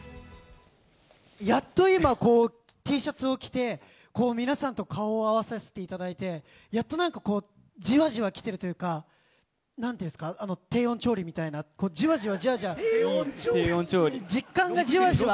やっと今、Ｔシャツを着て、こう皆さんと顔を合わさせていただいて、やっとなんかこう、じわじわ来てるというか、なんて言うんですか、低温調理みたいな、じわじわじわじわ。